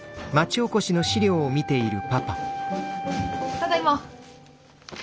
ただいま。